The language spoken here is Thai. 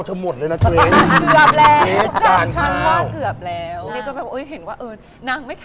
แต่ดูเห็นจอจาน